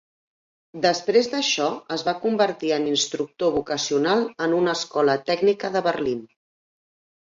Després d'això, es va convertir en instructor vocacional en una escola tècnica de Berlín.